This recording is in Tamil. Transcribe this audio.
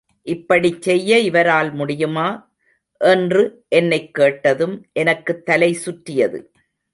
இப்படிச் செய்ய இவரால் முடியுமா? —என்று என்னைக் கேட்டதும், எனக்குத் தலை சுற்றியது.